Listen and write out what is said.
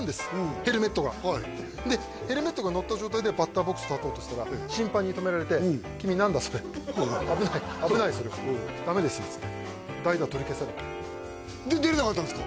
ヘルメットがでヘルメットがのった状態でバッターボックス立とうとしたら審判に止められて「君何だ？それ」って「危ないそれはダメです」っつって代打取り消されてで出れなかったんですか？